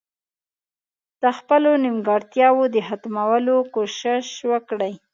د خپلو نيمګړتياوو د ختمولو کوشش وکړي.